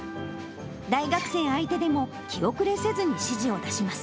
大学生相手でも気後れせずに指示を出します。